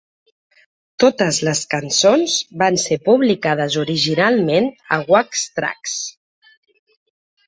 Totes les cançons van ser publicades originalment a Wax Trax!